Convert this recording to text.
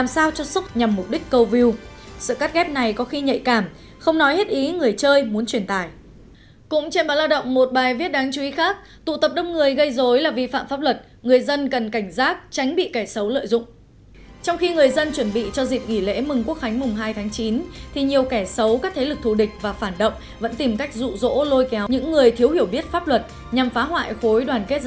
xin kính chào và hẹn gặp lại